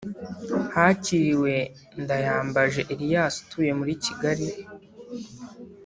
Hakiriwe Ndayambaje Elias utuye muri Kigali